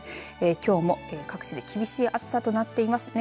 きょうも各地で厳しい暑さとなっています。